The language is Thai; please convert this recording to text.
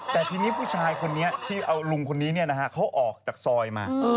แต่ทีนี้ผู้ชายคนนี้ที่เอาลุงคนนี้เขาออกจากซอยมา